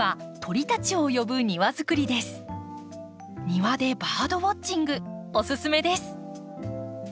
庭でバードウォッチングおすすめです。